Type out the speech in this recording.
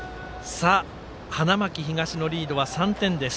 花巻東のリードは３点です。